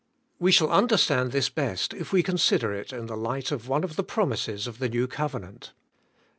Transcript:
We shall understand this best if we consider it in the light of one of the promises of the New Covenant.